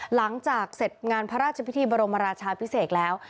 หลังจากเสร็จงานพระราชพิธีบรมราชาพิเศษแล้ว